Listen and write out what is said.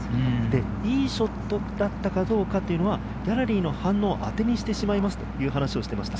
いいショットだったかどうかはギャラリーの反応をあてにしてしまいますと話していました。